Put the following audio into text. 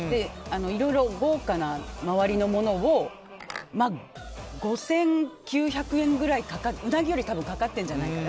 いろいろ豪華な周りのものを５９００円ぐらいうなぎよりかかってるんじゃないかと。